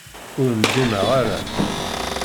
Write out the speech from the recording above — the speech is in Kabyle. Ur ndimeɣ ara.